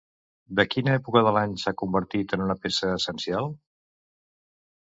De quina època de l'any s'ha convertit en una peça essencial?